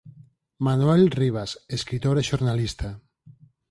Manuel Rivas, escritor e xornalista